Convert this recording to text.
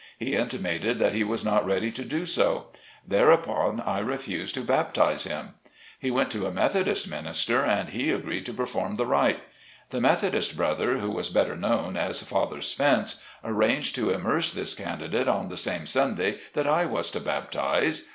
He intimated that he was not ready to do so. Thereupon I refused to baptize him. He went to a Methodist minister and he agreed to perform the rite. The Methodist brother, who was better known as "Father Spence," arranged to immerse this candidate on the same Sunday that I was to baptize.